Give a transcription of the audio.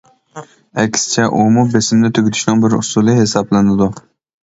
ئەكسىچە، ئۇمۇ بېسىمنى تۈگىتىشنىڭ بىر ئۇسۇلى ھېسابلىنىدۇ.